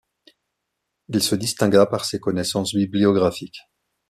Il se distingua par ses connaissances bibliographiques.